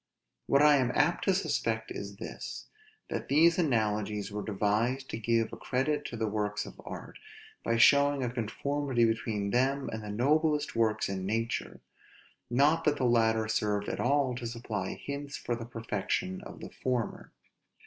What I am apt to suspect is this: that these analogies were devised to give a credit to the works of art, by showing a conformity between them and the noblest works in nature; not that the latter served at all to supply hints for the perfection of the former.